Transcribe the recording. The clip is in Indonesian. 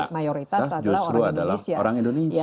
mayoritas adalah orang indonesia